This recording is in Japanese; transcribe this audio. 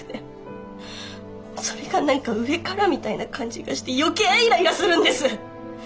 それが何か上からみたいな感じがして余計イライラするんです！